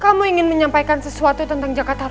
kamu ingin menyampaikan sesuatu tentang jakarta